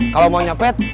kalau mau nyopet